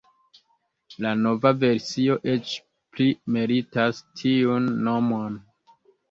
La nova versio eĉ pli meritas tiun nomon.